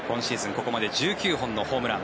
ここまで１９本のホームラン。